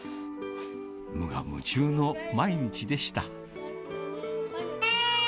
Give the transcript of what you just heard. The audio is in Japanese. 無我夢中の毎日でした。